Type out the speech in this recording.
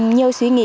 nhiều suy nghĩ